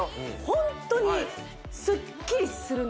ホントにすっきりするんですよ